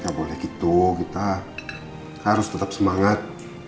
gak boleh gitu kita harus tetap semangat